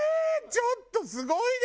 ちょっとすごいね！